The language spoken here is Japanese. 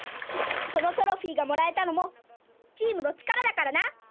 このトロフィーがもらえたのもチームの力だからな。